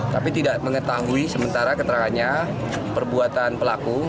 tapi tidak mengetahui sementara keterangannya perbuatan pelaku